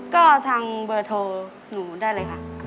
ก็ทางเบอร์โทรหนูได้เลยค่ะ